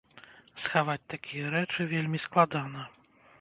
Схаваць такія рэчы вельмі складана!